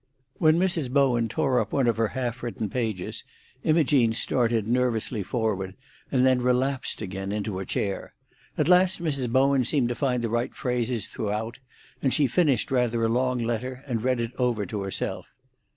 When Mrs. Bowen tore up one of her half written pages Imogene started nervously forward, and then relapsed again into her chair. At last Mrs. Bowen seemed to find the right phrases throughout, and she finished rather a long letter, and read it over to herself.